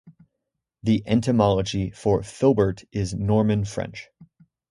The etymology for 'filbert' is Norman French.